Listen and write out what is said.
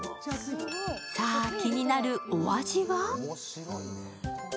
さあ、気になるお味は？